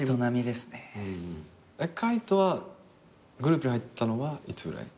海人はグループに入ったのはいつぐらい？